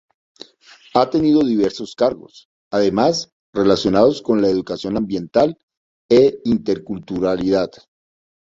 Ha tenido diversos cargos, además, relacionados con la Educación Ambiental e Interculturalidad.